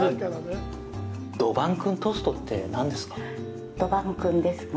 どばんくんトーストって何ですか。